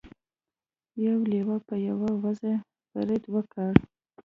یو لیوه په یوه وزه برید وکړ.